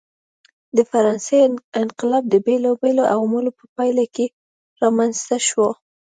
د فرانسې انقلاب د بېلابېلو عواملو په پایله کې رامنځته شو.